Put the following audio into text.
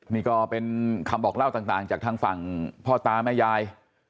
นี่ก็เป็นคำบอกเล่าต่างจากทางฝั่งพ่อตาแม่ยาย